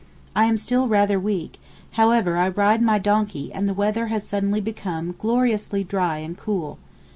I am still rather weak, however I ride my donkey and the weather has suddenly become gloriously dry and cool.